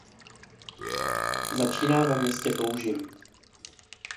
Začíná ve městě Toužim.